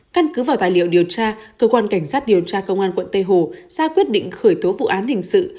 căn cứ vào tài liệu điều tra cơ quan cảnh sát điều tra công an quận tây hồ ra quyết định khởi tố vụ án hình sự